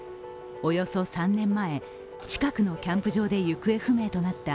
およそ３年前、近くのキャンプ場で行方不明となった